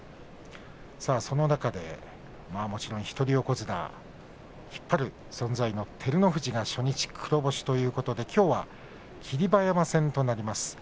その中でもちろん一人横綱引っ張る存在の照ノ富士が初日黒星ということできょうは霧馬山戦となります。